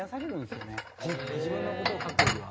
自分の事を書くよりは。